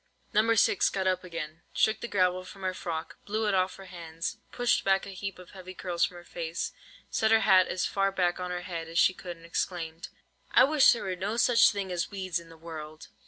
No. 6 got up again, shook the gravel from her frock, blew it off her hands, pushed back a heap of heavy curls from her face, set her hat as far back on her head as she could, and exclaimed:— "I wish there were no such things as weeds in the world!"